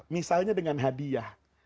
misalnya dengan hadiah